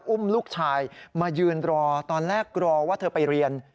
อุ้มลูกชายมายืนรอตอนแรกรอว่าเธอไปเรียน